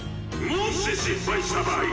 もし失敗した場合！